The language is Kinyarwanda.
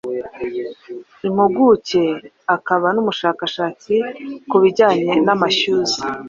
impuguke akaba n’umushakashatsi ku bijyanye n’amashyuza